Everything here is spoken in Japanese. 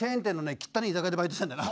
きったねえ居酒屋でバイトしたんだよな。